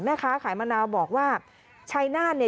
แม่ค้าขายมะนาวบอกว่าชัยนาธเนี่ย